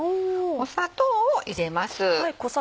砂糖を入れます。